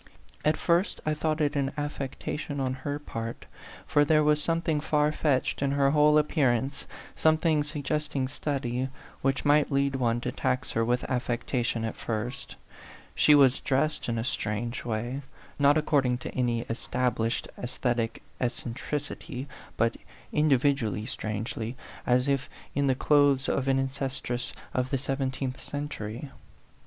At first I thought it an affec tation on her part for there was something far fetched in her whole appearance, some thing suggesting study, which might lead one to tax her with affectation at first ; she was dressed in a strange way not according to any established aesthetic eccentricity, but individually strangely, as if in the clothes of an ancestress of the seventeenth century.